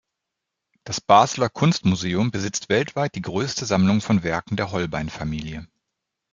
Das Basler Kunstmuseum besitzt weltweit die grösste Sammlung von Werken der Holbein-Familie.